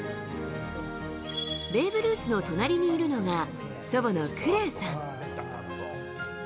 ベーブ・ルースの隣にいるのが、祖母のクレアさん。